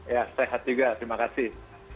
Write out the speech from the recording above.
ya sehat juga terima kasih